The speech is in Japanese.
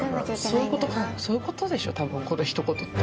そういうことでしょたぶんこのひと言って。